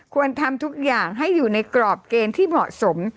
ควรทำทุกอย่างให้อยู่ในกรอบเกณฑ์ที่เหมาะสม